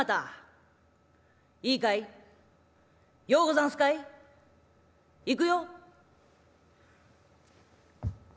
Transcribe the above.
ようござんすかい？いくよ」。